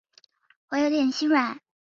我有点心软